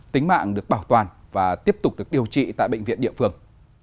tính mạng được bảo toàn và tiếp tục được điều trị tại bệnh viện địa phương